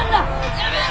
やめろ！